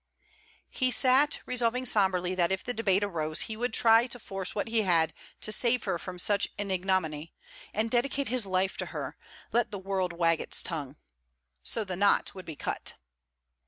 He sat, resolving sombrely that if the debate arose he would try what force he had to save her from such an ignominy, and dedicate his life to her, let the world wag its tongue. So the knot would be cut.